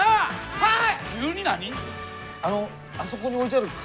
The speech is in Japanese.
はい。